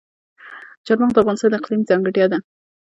چار مغز د افغانستان د اقلیم ځانګړتیا ده.